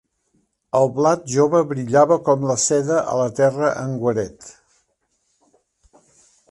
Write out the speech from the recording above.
El blat jove brillava com la seda a la terra en guaret.